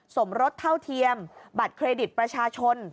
สมรสเท่าเทียมบัตรเครดิตประชาชน